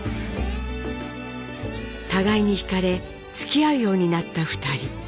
互いにひかれつきあうようになった２人。